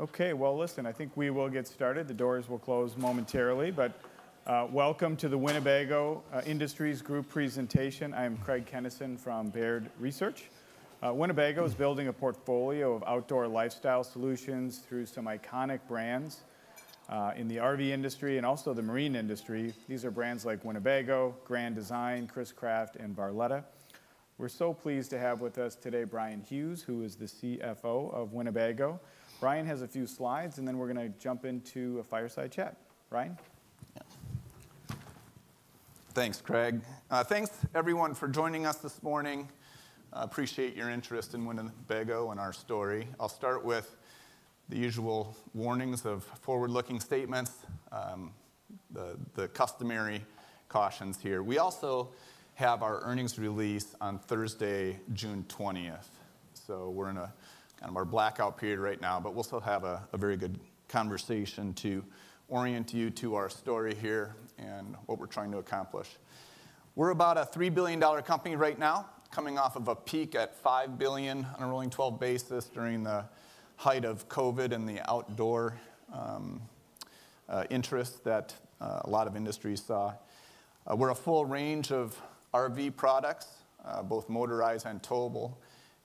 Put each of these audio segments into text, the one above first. Okay, well, listen, I think we will get started. The doors will close momentarily, but, welcome to the Winnebago Industries Group presentation. I am Craig Kennison from Baird Research. Winnebago is building a portfolio of outdoor lifestyle solutions through some iconic brands in the RV industry and also the marine industry. These are brands like Winnebago, Grand Design, Chris-Craft, and Barletta. We're so pleased to have with us today Bryan Hughes, who is the CFO of Winnebago. Bryan has a few slides, and then we're gonna jump into a fireside chat. Bryan? Thanks, Craig. Thanks everyone for joining us this morning. I appreciate your interest in Winnebago and our story. I'll start with the usual warnings of forward-looking statements, the customary cautions here. We also have our earnings release on Thursday, June 20th. So we're in kind of our blackout period right now, but we'll still have a very good conversation to orient you to our story here and what we're trying to accomplish. We're about a $3 billion company right now, coming off of a peak at $5 billion on a rolling 12 basis during the height of COVID and the outdoor interest that a lot of industries saw. We're a full range of RV products, both motorized and towable,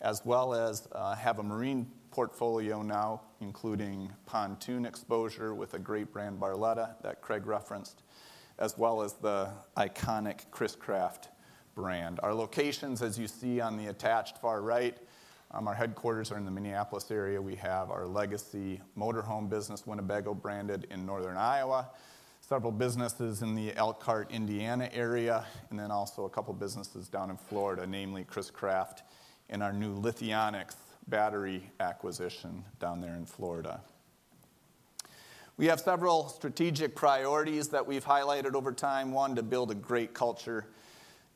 as well as have a marine portfolio now, including pontoon exposure with the great brand Barletta, that Craig referenced, as well as the iconic Chris-Craft brand. Our locations, as you see on the attached far right, our headquarters are in the Minneapolis area. We have our legacy motor home business, Winnebago, branded in Northern Iowa, several businesses in the Elkhart, Indiana, area, and then also a couple businesses down in Florida, namely Chris-Craft and our new Lithionics battery acquisition down there in Florida. We have several strategic priorities that we've highlighted over time. One, to build a great culture.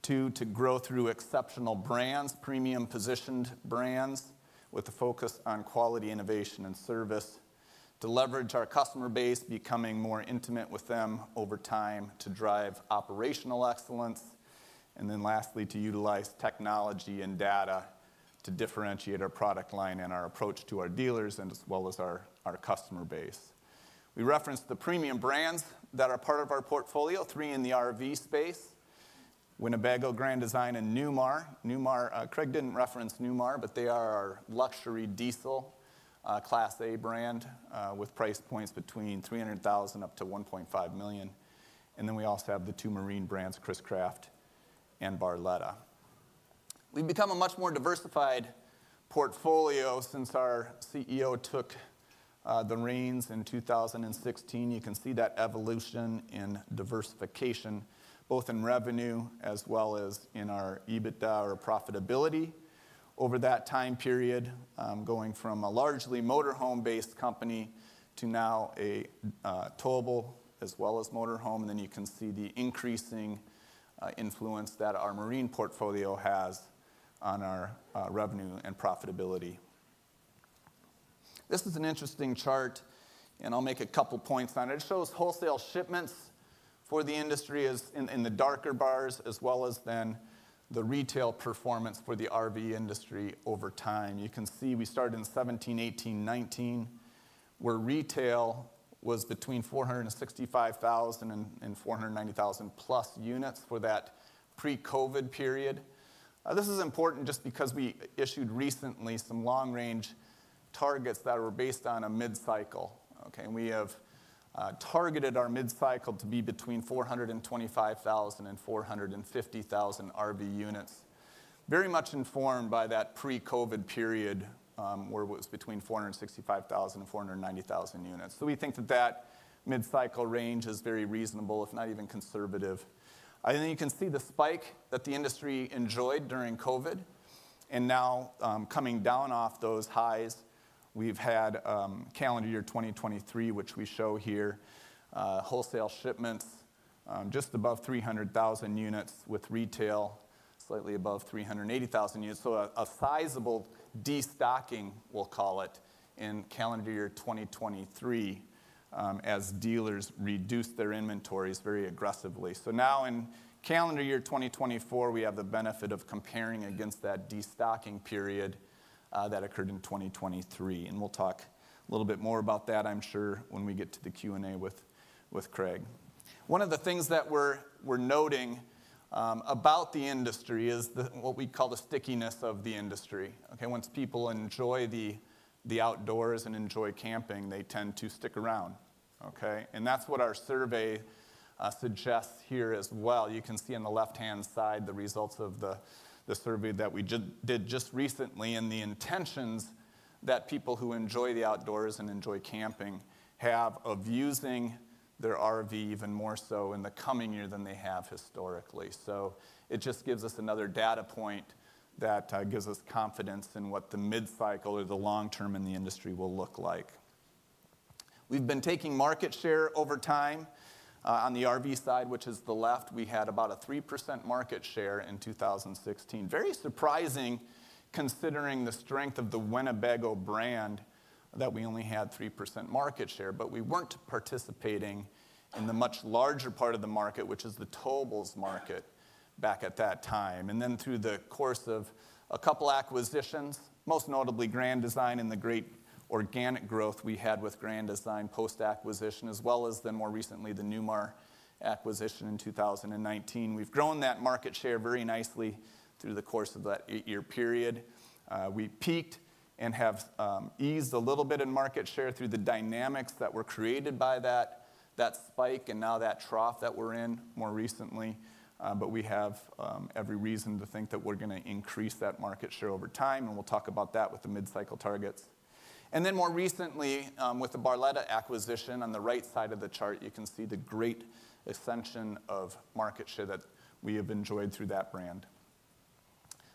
Two, to grow through exceptional brands, premium-positioned brands, with a focus on quality, innovation, and service. To leverage our customer base, becoming more intimate with them over time. To drive operational excellence. And then lastly, to utilize technology and data to differentiate our product line and our approach to our dealers, and as well as our customer base. We referenced the premium brands that are part of our portfolio, three in the RV space: Winnebago, Grand Design, and Newmar. Newmar, Craig didn't reference Newmar, but they are our luxury diesel Class A brand with price points between $300,000 up to $1.5 million. And then we also have the two marine brands, Chris-Craft and Barletta. We've become a much more diversified portfolio since our CEO took the reins in 2016. You can see that evolution in diversification, both in revenue as well as in our EBITDA or profitability over that time period, going from a largely motor home-based company to now a towable as well as motor home. Then you can see the increasing influence that our marine portfolio has on our revenue and profitability. This is an interesting chart, and I'll make a couple points on it. It shows wholesale shipments for the industry in the darker bars, as well as then the retail performance for the RV industry over time. You can see we started in 2017, 2018, 2019, where retail was between 465,000 and 490,000+ units for that pre-COVID period. This is important just because we issued recently some long-range targets that were based on a mid-cycle. Okay, and we have targeted our mid-cycle to be between 425,000 and 450,000 RV units, very much informed by that pre-COVID period, where it was between 465,000 and 490,000 units. So we think that that mid-cycle range is very reasonable, if not even conservative. I think you can see the spike that the industry enjoyed during COVID, and now, coming down off those highs, we've had calendar year 2023, which we show here, wholesale shipments just above 300,000 units, with retail slightly above 380,000 units. So a sizable destocking, we'll call it, in calendar year 2023, as dealers reduced their inventories very aggressively. So now in calendar year 2024, we have the benefit of comparing against that destocking period that occurred in 2023, and we'll talk a little bit more about that, I'm sure, when we get to the Q&A with Craig. One of the things that we're noting about the industry is the what we call the stickiness of the industry, okay? Once people enjoy the outdoors and enjoy camping, they tend to stick around, okay? And that's what our survey suggests here as well. You can see on the left-hand side, the results of the survey that we did just recently, and the intentions that people who enjoy the outdoors and enjoy camping have of using their RV even more so in the coming year than they have historically. So it just gives us another data point that gives us confidence in what the mid-cycle or the long term in the industry will look like. We've been taking market share over time. On the RV side, which is the left, we had about a 3% market share in 2016. Very surprising, considering the strength of the Winnebago brand that we only had 3% market share, but we weren't participating in the much larger part of the market, which is the towables market, back at that time. Then through the course of a couple acquisitions, most notably Grand Design and the great organic growth we had with Grand Design post-acquisition, as well as the more recently, the Newmar acquisition in 2019, we've grown that market share very nicely through the course of that eight-year period. We peaked and have eased a little bit in market share through the dynamics that were created by that spike and now that trough that we're in more recently. But we have every reason to think that we're gonna increase that market share over time, and we'll talk about that with the mid-cycle targets. And then more recently, with the Barletta acquisition, on the right side of the chart, you can see the great ascension of market share that we have enjoyed through that brand.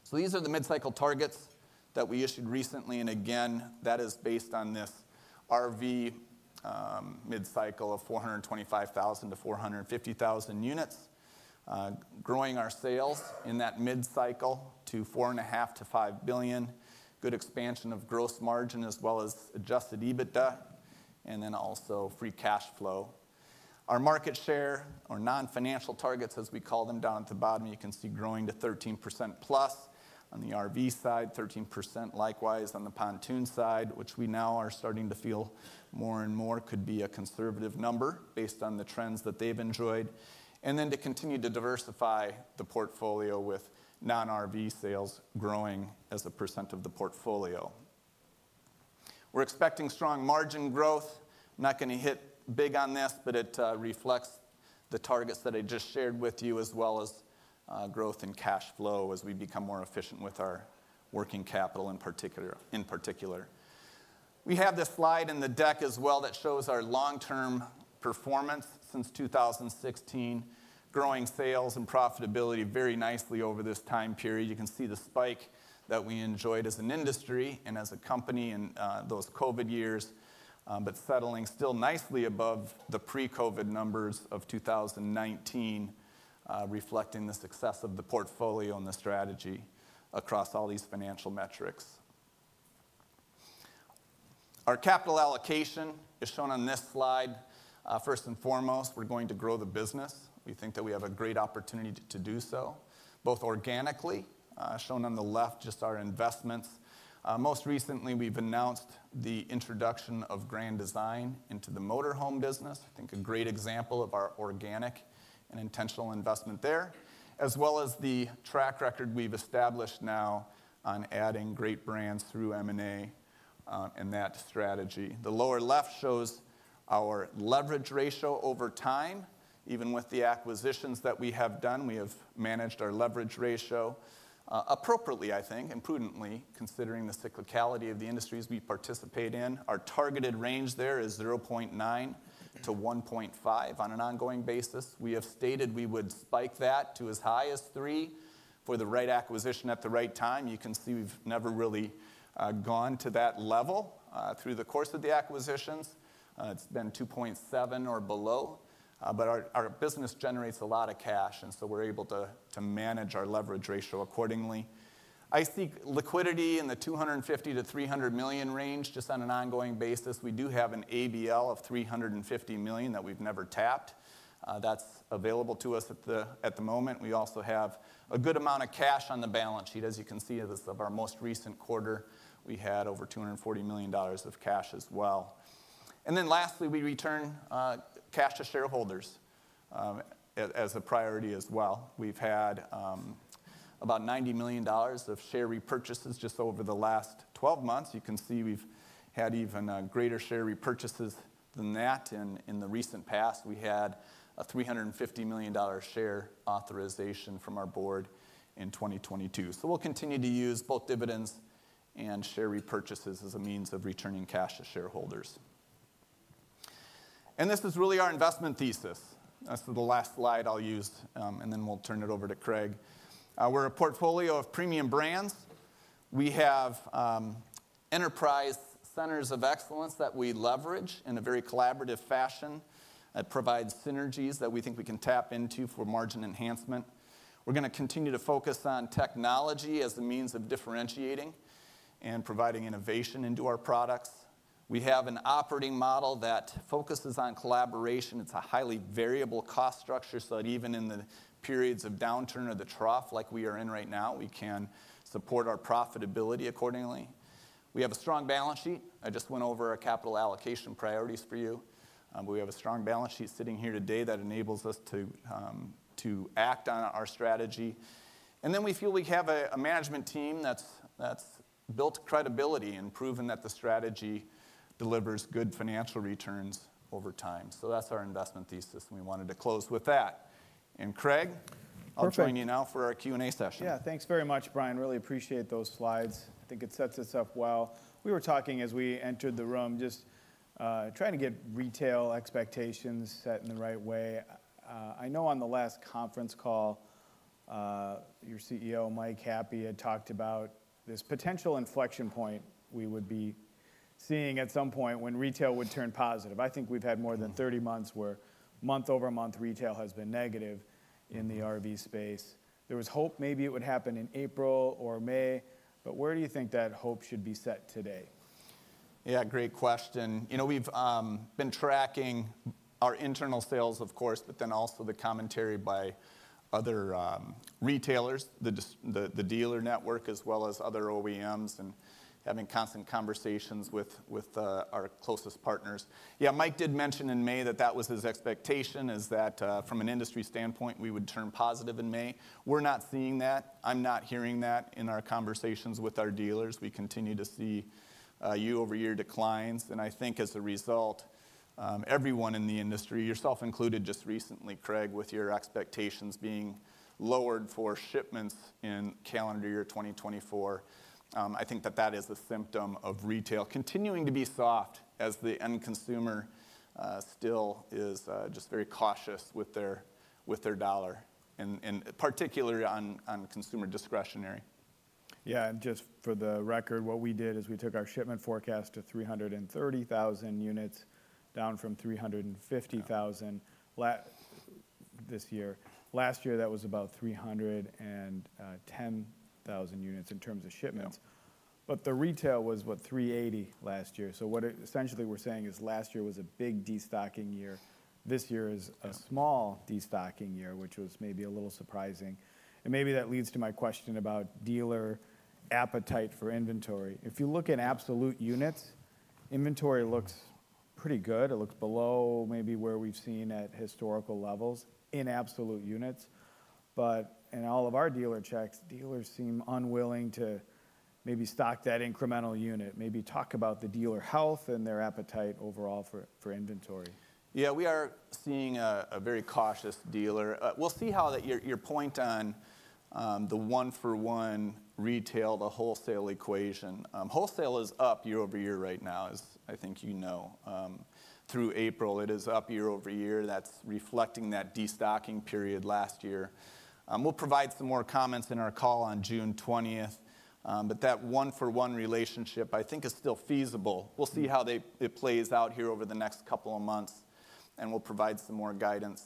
So these are the mid-cycle targets that we issued recently, and again, that is based on this RV mid-cycle of 425,000 units-450,000 units. Growing our sales in that mid-cycle to $4.5 billion-$5 billion. Good expansion of gross margin as well as adjusted EBITDA, and then also free cash flow. Our market share, our non-financial targets, as we call them, down at the bottom, you can see growing to 13%+ on the RV side, 13% likewise on the pontoon side, which we now are starting to feel more and more could be a conservative number based on the trends that they've enjoyed. And then to continue to diversify the portfolio with non-RV sales growing as a percent of the portfolio. We're expecting strong margin growth. Not gonna hit big on this, but it reflects the targets that I just shared with you, as well as growth in cash flow as we become more efficient with our working capital, in particular. We have this slide in the deck as well that shows our long-term performance since 2016, growing sales and profitability very nicely over this time period. You can see the spike that we enjoyed as an industry and as a company in those COVID years, but settling still nicely above the pre-COVID numbers of 2019, reflecting the success of the portfolio and the strategy across all these financial metrics. Our capital allocation is shown on this slide. First and foremost, we're going to grow the business. We think that we have a great opportunity to do so, both organically, shown on the left, just our investments. Most recently, we've announced the introduction of Grand Design into the motor home business. I think a great example of our organic and intentional investment there, as well as the track record we've established now on adding great brands through M&A, and that strategy. The lower left shows our leverage ratio over time. Even with the acquisitions that we have done, we have managed our leverage ratio, appropriately, I think, and prudently, considering the cyclicality of the industries we participate in. Our targeted range there is 0.9-1.5 on an ongoing basis. We have stated we would spike that to as high as three for the right acquisition at the right time. You can see we've never really, gone to that level, through the course of the acquisitions. It's been 2.7 or below, but our business generates a lot of cash, and so we're able to manage our leverage ratio accordingly. I see liquidity in the 250 million-300 million range, just on an ongoing basis. We do have an ABL of 350 million that we've never tapped. That's available to us at the moment. We also have a good amount of cash on the balance sheet. As you can see, as of our most recent quarter, we had over $240 million of cash as well. And then lastly, we return cash to shareholders as a priority as well. We've had about $90 million of share repurchases just over the last 12 months. You can see we've had even greater share repurchases than that in the recent past. We had a $350 million share authorization from our board in 2022. So we'll continue to use both dividends and share repurchases as a means of returning cash to shareholders. And this is really our investment thesis. That's the last slide I'll use, and then we'll turn it over to Craig. We're a portfolio of premium brands. We have enterprise centers of excellence that we leverage in a very collaborative fashion, that provides synergies that we think we can tap into for margin enhancement. We're gonna continue to focus on technology as the means of differentiating and providing innovation into our products. We have an operating model that focuses on collaboration. It's a highly variable cost structure, so that even in the periods of downturn or the trough, like we are in right now, we can support our profitability accordingly. We have a strong balance sheet. I just went over our capital allocation priorities for you. We have a strong balance sheet sitting here today that enables us to to act on our strategy. And then we feel we have a management team that's built credibility and proven that the strategy delivers good financial returns over time. So that's our investment thesis, and we wanted to close with that. And Craig- Perfect. I'll join you now for our Q&A session. Yeah, thanks very much, Bryan. Really appreciate those slides. I think it sets us up well. We were talking as we entered the room, just, trying to get retail expectations set in the right way. I know on the last conference call, your CEO, Mike Happe, had talked about this potential inflection point we would be seeing at some point when retail would turn positive. I think we've had more than 30 months where month-over-month retail has been negative in the RV space. There was hope maybe it would happen in April or May, but where do you think that hope should be set today?... Yeah, great question. You know, we've been tracking our internal sales, of course, but then also the commentary by other retailers, the dealer network, as well as other OEMs, and having constant conversations with our closest partners. Yeah, Mike did mention in May that that was his expectation, is that from an industry standpoint, we would turn positive in May. We're not seeing that. I'm not hearing that in our conversations with our dealers. We continue to see year-over-year declines, and I think as a result, everyone in the industry, yourself included just recently, Craig, with your expectations being lowered for shipments in calendar year 2024, I think that that is a symptom of retail continuing to be soft as the end consumer still is just very cautious with their, with their dollar and, and particularly on, on consumer discretionary. Yeah, and just for the record, what we did is we took our shipment forecast to 330,000 units, down from 350,000 this year. Last year, that was about 300 units and 10,000 units in terms of shipments. Yeah. But the retail was, what? 380 last year. So what it- essentially we're saying is last year was a big destocking year. This year is a small destocking year, which was maybe a little surprising. And maybe that leads to my question about dealer appetite for inventory. If you look at absolute units, inventory looks pretty good. It looks below maybe where we've seen at historical levels in absolute units, but in all of our dealer checks, dealers seem unwilling to maybe stock that incremental unit. Maybe talk about the dealer health and their appetite overall for, for inventory. Yeah, we are seeing a very cautious dealer. We'll see how that... Your point on the one-for-one retail to wholesale equation. Wholesale is up year-over-year right now, as I think you know. Through April, it is up year-over-year, that's reflecting that destocking period last year. We'll provide some more comments in our call on June twentieth, but that one-for-one relationship I think is still feasible. We'll see how it plays out here over the next couple of months, and we'll provide some more guidance,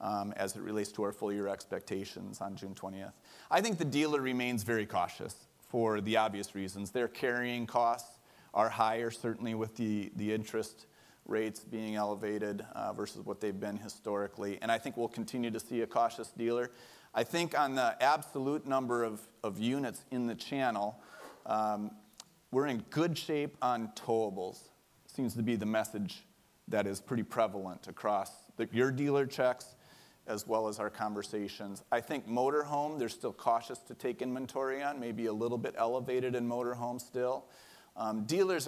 as it relates to our full year expectations on June twentieth. I think the dealer remains very cautious, for the obvious reasons. Their carrying costs are higher, certainly with the interest rates being elevated, versus what they've been historically, and I think we'll continue to see a cautious dealer. I think on the absolute number of units in the channel, we're in good shape on towables. Seems to be the message that is pretty prevalent across your dealer checks, as well as our conversations. I think motor home, they're still cautious to take inventory on, maybe a little bit elevated in motor home still. Dealers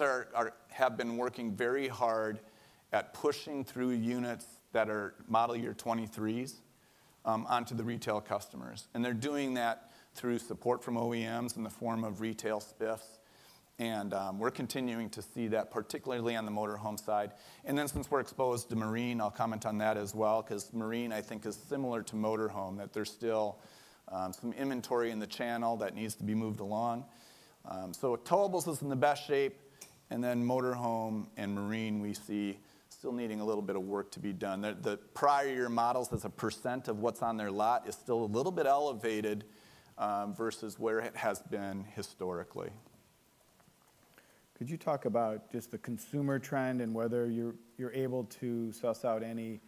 have been working very hard at pushing through units that are model year 2023s onto the retail customers, and they're doing that through support from OEMs in the form of retail spiffs, and we're continuing to see that, particularly on the motor home side. And then, since we're exposed to marine, I'll comment on that as well, 'cause marine, I think, is similar to motor home, that there's still some inventory in the channel that needs to be moved along. So towables is in the best shape, and then motor home and marine, we see still needing a little bit of work to be done. The prior models, as a percent of what's on their lot, is still a little bit elevated, versus where it has been historically. Could you talk about just the consumer trend and whether you're able to suss out any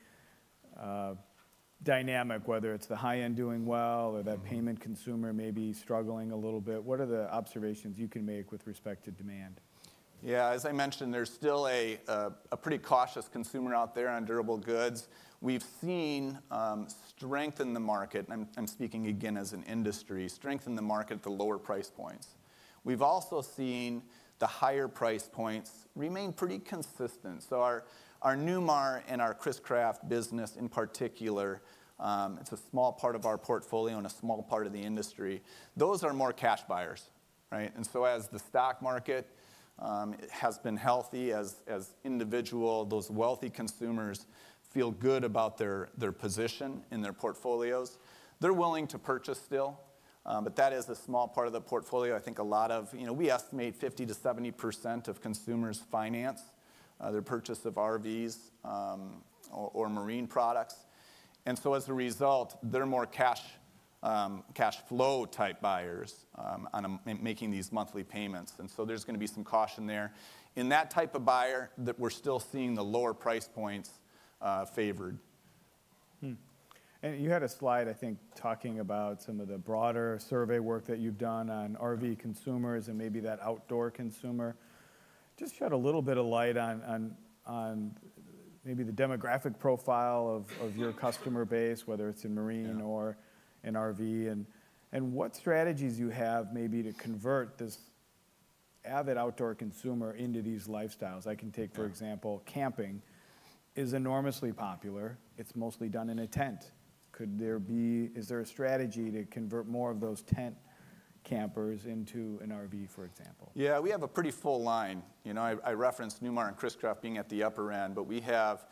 dynamic, whether it's the high end doing well, or that payment consumer may be struggling a little bit? What are the observations you can make with respect to demand? Yeah, as I mentioned, there's still a pretty cautious consumer out there on durable goods. We've seen strength in the market, and I'm speaking again as an industry, strength in the market at the lower price points. We've also seen the higher price points remain pretty consistent. So our Newmar and our Chris-Craft business in particular, it's a small part of our portfolio and a small part of the industry, those are more cash buyers, right? And so as the stock market has been healthy, as individual, those wealthy consumers feel good about their position in their portfolios. They're willing to purchase still, but that is a small part of the portfolio. I think a lot of... You know, we estimate 50%-70% of consumers finance their purchase of RVs or marine products, and so as a result, they're more cash cash flow-type buyers making these monthly payments, and so there's gonna be some caution there. In that type of buyer, that we're still seeing the lower price points favored. Hmm. You had a slide, I think, talking about some of the broader survey work that you've done on RV consumers and maybe that outdoor consumer. Just shed a little bit of light on maybe the demographic profile of your customer base, whether it's in marine- Yeah... or in RV, and what strategies you have maybe to convert this avid outdoor consumer into these lifestyles? Yeah. I can take, for example, camping is enormously popular. It's mostly done in a tent. Is there a strategy to convert more of those tent campers into an RV, for example? Yeah, we have a pretty full line. You know, I referenced Newmar and Chris-Craft being at the upper end, but we have,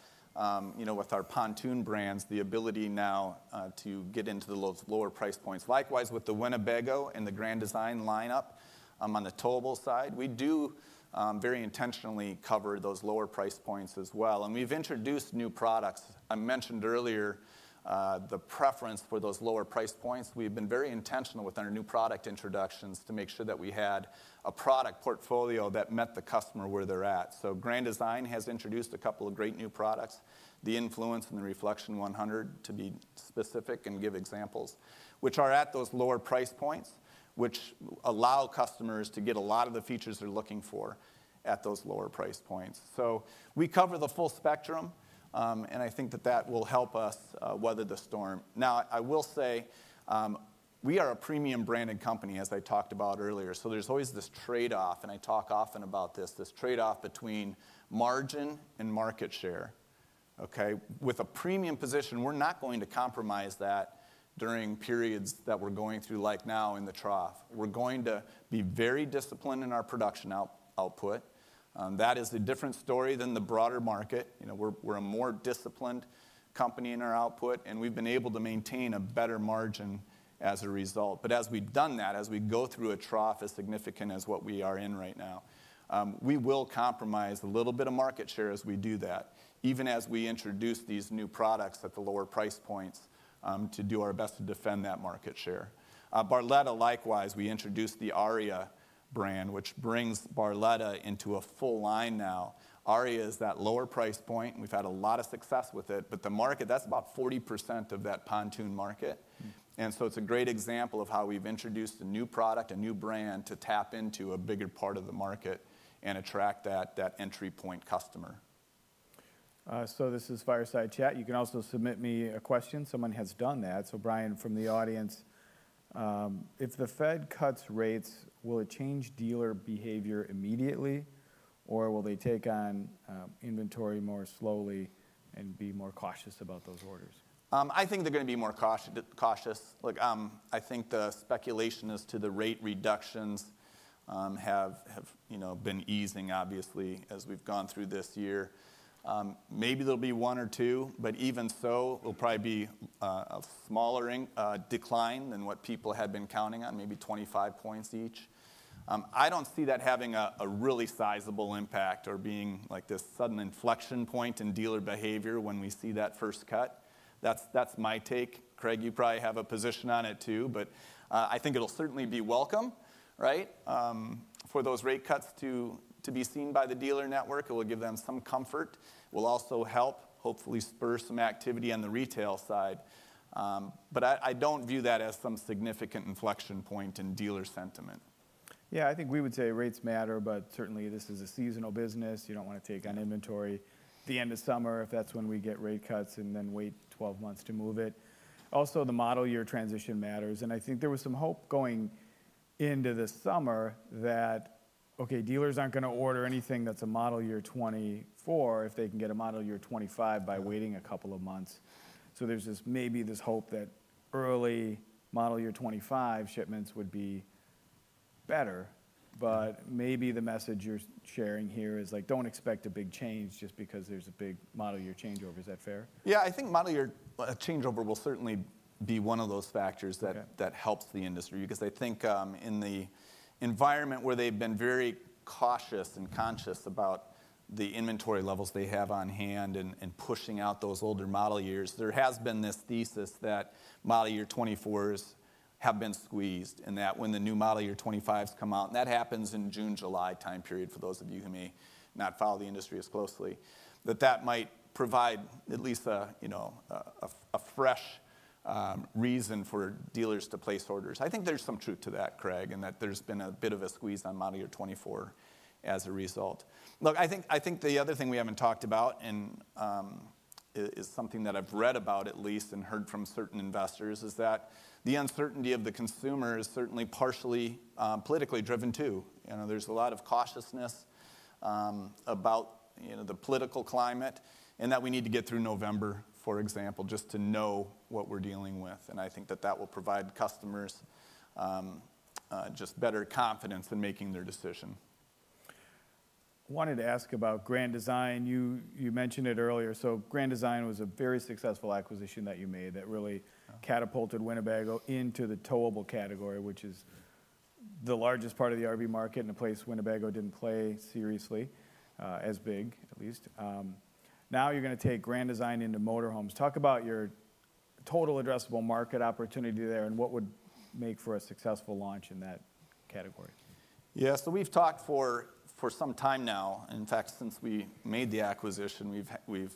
you know, with our pontoon brands, the ability now to get into the lower price points. Likewise, with the Winnebago and the Grand Design lineup, on the towable side, we do very intentionally cover those lower price points as well, and we've introduced new products. I mentioned earlier the preference for those lower price points. We've been very intentional with our new product introductions to make sure that we had a product portfolio that met the customer where they're at. So Grand Design has introduced a couple of great new products, the Influence and the Reflection 100, to be specific and give examples, which are at those lower price points, which allow customers to get a lot of the features they're looking for at those lower price points. So we cover the full spectrum, and I think that that will help us weather the storm. Now, I will say, we are a premium-branded company, as I talked about earlier, so there's always this trade-off, and I talk often about this, this trade-off between margin and market share, okay? With a premium position, we're not going to compromise that during periods that we're going through, like now in the trough. We're going to be very disciplined in our production output. That is a different story than the broader market. You know, we're a more disciplined company in our output, and we've been able to maintain a better margin as a result. But as we've done that, as we go through a trough as significant as what we are in right now, we will compromise a little bit of market share as we do that, even as we introduce these new products at the lower price points, to do our best to defend that market share. Barletta, likewise, we introduced the Aria brand, which brings Barletta into a full line now. Aria is that lower price point, and we've had a lot of success with it, but the market, that's about 40% of that pontoon market. Mm. So it's a great example of how we've introduced a new product, a new brand, to tap into a bigger part of the market and attract that, that entry-point customer. So this is Fireside Chat. You can also submit me a question. Someone has done that. So Bryan, from the audience: "If the Fed cuts rates, will it change dealer behavior immediately, or will they take on inventory more slowly and be more cautious about those orders? I think they're gonna be more cautious. Look, I think the speculation as to the rate reductions have you know been easing, obviously, as we've gone through this year. Maybe there'll be one or two, but even so, it'll probably be a smaller decline than what people had been counting on, maybe 25 points each. I don't see that having a really sizable impact or being, like, this sudden inflection point in dealer behavior when we see that first cut. That's my take. Craig, you probably have a position on it, too, but I think it'll certainly be welcome, right? For those rate cuts to be seen by the dealer network, it will give them some comfort. Will also help hopefully spur some activity on the retail side, but I don't view that as some significant inflection point in dealer sentiment. Yeah, I think we would say rates matter, but certainly, this is a seasonal business. You don't wanna take on inventory the end of summer, if that's when we get rate cuts, and then wait 12 months to move it. Also, the model year transition matters, and I think there was some hope going into the summer that, okay, dealers aren't gonna order anything that's a model year 2024 if they can get a model year 2025 by waiting a couple of months. So there's this, maybe this hope that early model year 2025 shipments would be better, but maybe the message you're sharing here is, like, don't expect a big change just because there's a big model year changeover. Is that fair? Yeah, I think Model Year changeover will certainly be one of those factors- Okay... that, that helps the industry because I think, in the environment where they've been very cautious and conscious about the inventory levels they have on hand and, and pushing out those older model years, there has been this thesis that model year 2024s have been squeezed, and that when the new model year 2025s come out, and that happens in June, July time period, for those of you who may not follow the industry as closely, that that might provide at least a, you know, fresh reason for dealers to place orders. I think there's some truth to that, Craig, and that there's been a bit of a squeeze on model year 2024 as a result. Look, I think, I think the other thing we haven't talked about, and, is something that I've read about at least and heard from certain investors, is that the uncertainty of the consumer is certainly partially, politically driven, too. You know, there's a lot of cautiousness about, you know, the political climate, and that we need to get through November, for example, just to know what we're dealing with, and I think that that will provide customers, just better confidence in making their decision. I wanted to ask about Grand Design. You mentioned it earlier. So Grand Design was a very successful acquisition that you made, really- Yeah... catapulted Winnebago into the towable category, which is the largest part of the RV market and a place Winnebago didn't play seriously, as big, at least. Now you're gonna take Grand Design into motor homes. Talk about your total addressable market opportunity there and what would make for a successful launch in that category. Yeah, so we've talked for some time now, in fact, since we made the acquisition, we've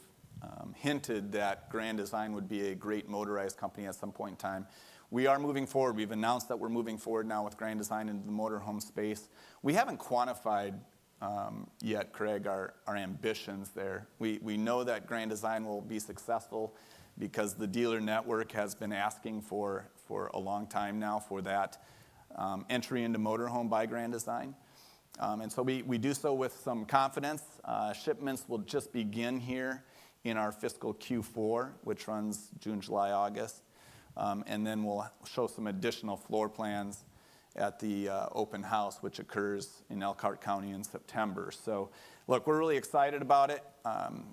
hinted that Grand Design would be a great motorized company at some point in time. We are moving forward. We've announced that we're moving forward now with Grand Design into the motor home space. We haven't quantified yet, Craig, our ambitions there. We know that Grand Design will be successful because the dealer network has been asking for a long time now for that entry into motor home by Grand Design. And so we do so with some confidence. Shipments will just begin here in our fiscal Q4, which runs June, July, August. And then we'll show some additional floor plans at the open house, which occurs in Elkhart County in September. So look, we're really excited about it,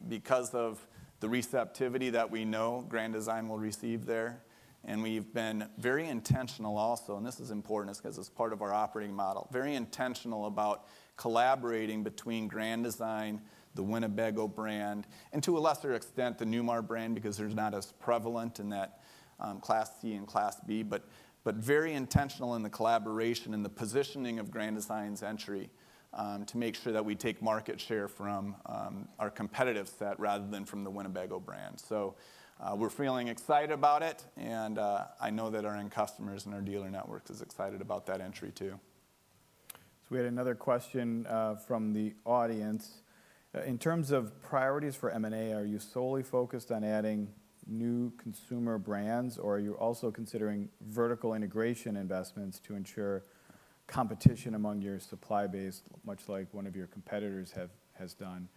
because of the receptivity that we know Grand Design will receive there, and we've been very intentional also, and this is important, 'cause it's part of our operating model, very intentional about collaborating between Grand Design, the Winnebago brand, and to a lesser extent, the Newmar brand, because they're not as prevalent in that, Class C and Class B. But very intentional in the collaboration and the positioning of Grand Design's entry, to make sure that we take market share from, our competitive set rather than from the Winnebago brand. So, we're feeling excited about it, and I know that our end customers and our dealer networks is excited about that entry, too. So we had another question from the audience: in terms of priorities for M&A, are you solely focused on adding new consumer brands, or are you also considering vertical integration investments to ensure competition among your supply base, much like one of your competitors has done?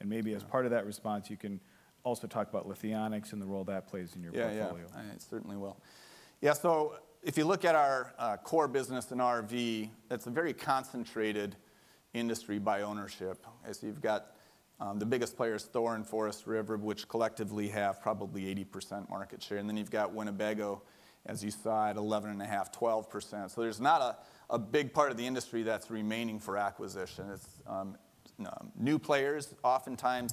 Yeah. Maybe as part of that response, you can also talk about Lithionics and the role that plays in your portfolio. Yeah, yeah. I certainly will. Yeah, so if you look at our core business in RV, that's a very concentrated industry by ownership, as you've got the biggest players, Thor and Forest River, which collectively have probably 80% market share, and then you've got Winnebago, as you saw, at 11.5%-12%. So there's not a big part of the industry that's remaining for acquisition. It's new players, oftentimes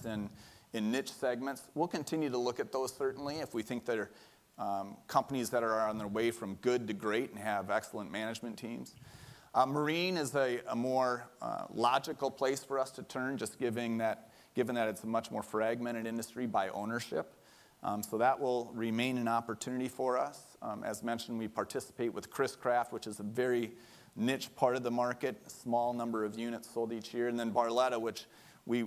in niche segments. We'll continue to look at those, certainly, if we think they're companies that are on their way from good to great and have excellent management teams. Marine is a more logical place for us to turn, given that it's a much more fragmented industry by ownership. So that will remain an opportunity for us. As mentioned, we participate with Chris-Craft, which is a very niche part of the market, a small number of units sold each year. And then Barletta, which we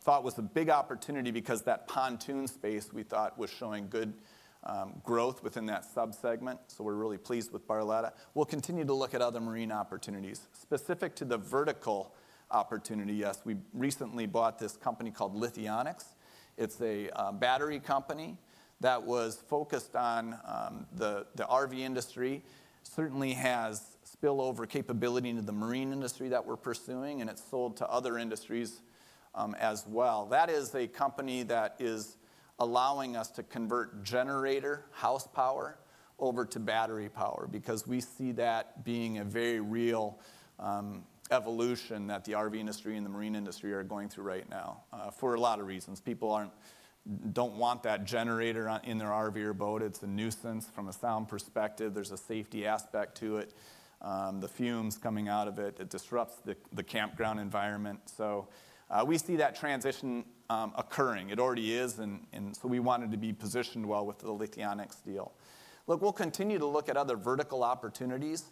thought was a big opportunity because that pontoon space we thought was showing good growth within that sub-segment, so we're really pleased with Barletta. We'll continue to look at other marine opportunities. Specific to the vertical opportunity, yes, we recently bought this company called Lithionics. It's a battery company that was focused on the RV industry, certainly has spill-over capability into the marine industry that we're pursuing, and it's sold to other industries as well. That is a company that is allowing us to convert generator house power over to battery power, because we see that being a very real evolution that the RV industry and the marine industry are going through right now, for a lot of reasons. People don't want that generator out in their RV or boat. It's a nuisance from a sound perspective. There's a safety aspect to it, the fumes coming out of it, it disrupts the campground environment, so we see that transition occurring. It already is, and so we wanted to be positioned well with the Lithionics deal. Look, we'll continue to look at other vertical opportunities,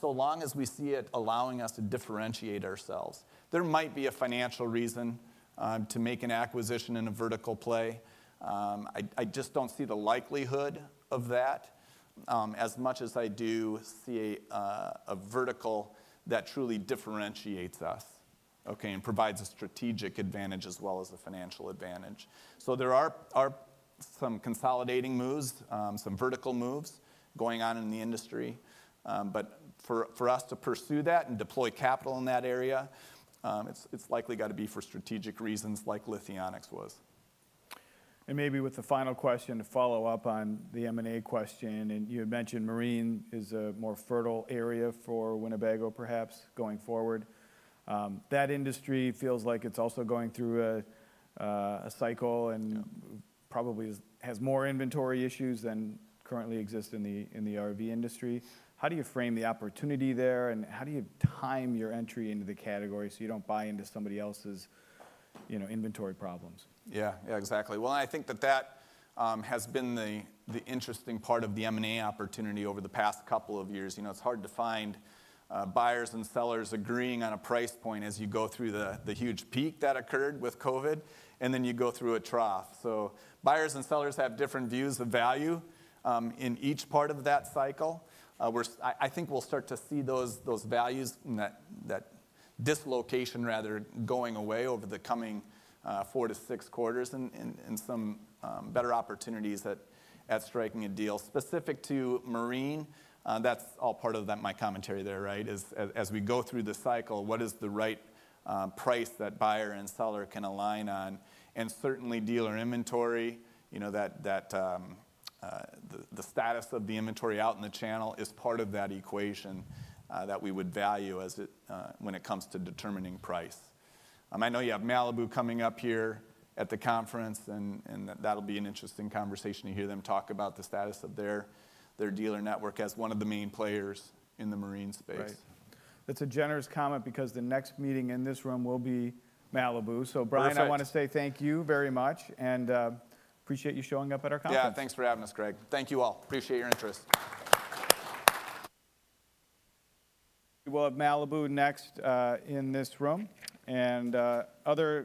so long as we see it allowing us to differentiate ourselves. There might be a financial reason to make an acquisition in a vertical play. I just don't see the likelihood of that, as much as I do see a vertical that truly differentiates us, okay, and provides a strategic advantage as well as a financial advantage. So there are some consolidating moves, some vertical moves going on in the industry. But for us to pursue that and deploy capital in that area, it's likely gotta be for strategic reasons like Lithionics was. Maybe with the final question to follow up on the M&A question, and you had mentioned Marine is a more fertile area for Winnebago, perhaps, going forward. That industry feels like it's also going through a cycle- Yeah... and probably has more inventory issues than currently exist in the RV industry. How do you frame the opportunity there, and how do you time your entry into the category so you don't buy into somebody else's, you know, inventory problems? Yeah. Yeah, exactly. Well, I think that that has been the interesting part of the M&A opportunity over the past couple of years. You know, it's hard to find buyers and sellers agreeing on a price point as you go through the huge peak that occurred with COVID, and then you go through a trough. So buyers and sellers have different views of value in each part of that cycle. I think we'll start to see those values and that dislocation, rather, going away over the coming four-six quarters and some better opportunities at striking a deal. Specific to Marine, that's all part of that, my commentary there, right? As we go through the cycle, what is the right price that buyer and seller can align on? Certainly, dealer inventory, you know, that the status of the inventory out in the channel is part of that equation, that we would value as it when it comes to determining price. I know you have Malibu coming up here at the conference, and that'll be an interesting conversation to hear them talk about the status of their dealer network as one of the main players in the marine space. Right. That's a generous comment because the next meeting in this room will be Malibu. Perfect. Bryan, I wanna say thank you very much, and appreciate you showing up at our conference. Yeah, thanks for having us, Craig. Thank you all. Appreciate your interest. We'll have Malibu next in this room, and other-